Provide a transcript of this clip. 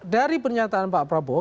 dari pernyataan pak prabowo